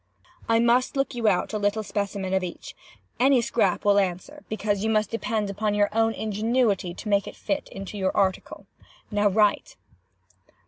I must look you out a little specimen of each. Any scrap will answer, because you must depend upon your own ingenuity to make it fit into your article. Now write!